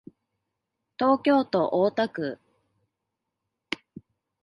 東京都大田区